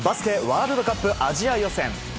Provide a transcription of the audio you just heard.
ワールドカップアジア予選。